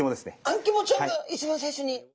あん肝ちゃんが一番最初に。